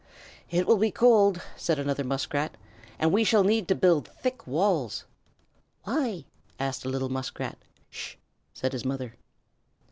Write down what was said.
"It will be cold," said another Muskrat, "and we shall need to build thick walls." "Why?" asked a little Muskrat. "Sh!" said his mother.